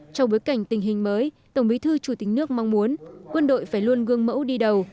trong bối cảnh tình hình mới tổng bí thư chủ tịch nước mong muốn quân đội phải luôn gương mẫu đi đầu